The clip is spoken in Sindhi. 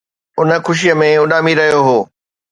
ان خوشيءَ ۾ اڏامي رهيو هو